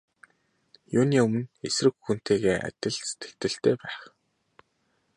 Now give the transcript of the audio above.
Юуны өмнө эсрэг хүнтэйгээ адил сэтгэгдэлтэй байх.